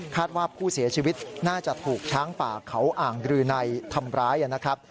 ว่าผู้เสียชีวิตน่าจะถูกช้างป่าเขาอ่างรือในทำร้ายนะครับ